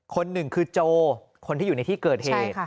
คนหนึ่งคือโจคนที่อยู่ในที่เกิดเหตุ